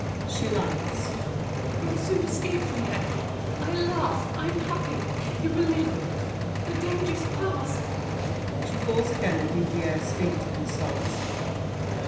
[She laughs. We'll soon escape from here! I laugh. I'm happy. You will live; the danger's passed. [She falls again at Didier's feet and sobs.